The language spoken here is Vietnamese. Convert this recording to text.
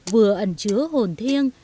vừa ẩn chứa hồn thiêng